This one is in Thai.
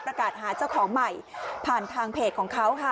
ประกาศหาเจ้าของใหม่ผ่านทางเพจของเขาค่ะ